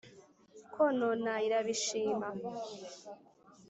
Kwonona irabishima